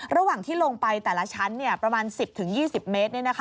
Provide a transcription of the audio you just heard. ระหว่างที่ลงไปแต่ละชั้นประมาณ๑๐๒๐เมตร